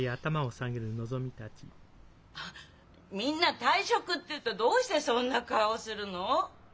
あっみんな退職って言うとどうしてそんな顔するの？